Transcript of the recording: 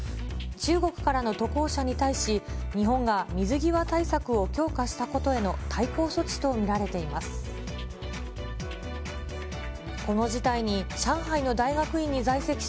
中国からの渡航者に対し、日本が水際対策を強化したことへの対抗措置と見られています。